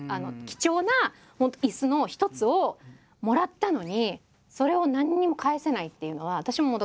貴重な椅子の一つをもらったのにそれを何にも返せないっていうのは私ももどかしかったし。